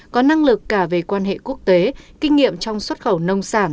có năng lực cả về quan hệ quốc tế kinh nghiệm trong xuất khẩu nông sản